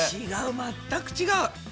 全く違う。